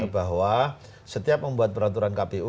bahwa setiap membuat peraturan kpu